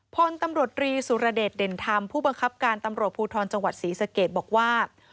พลตำรวจรีสุรเดชเด่นธรรมผู้บังคับการตำรวจภูทรจังหวัดศรีสะเกดบอกว่า